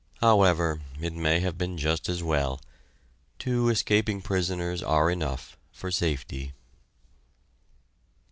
However, it may have been just as well two escaping prisoners are enough, for safety.